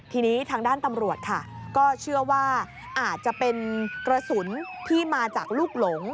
ทีนี้ทางด้านตำรวจค่ะก็เชื่อว่าอาจจะเป็นกระสุนที่มาจากลูกหลง